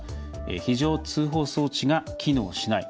非常通報装置が機能しない。